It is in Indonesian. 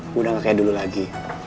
udah gak kayak dulu lagi